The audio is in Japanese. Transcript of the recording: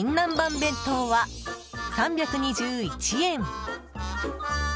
弁当は、３２１円。